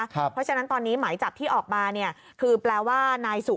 เพราะฉะนั้นตอนนี้หมายจับที่ออกมา